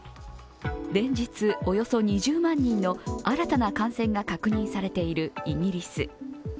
連日、およそ２０万人の新たな感染が確認されているイギリス。